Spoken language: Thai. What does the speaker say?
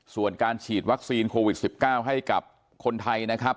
ส่วนการฉีดวัคซีนโควิด๑๙ให้กับคนไทยนะครับ